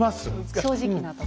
正直な。